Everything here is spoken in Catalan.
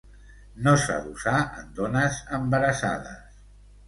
No s'ha d'usar en dones embarassades.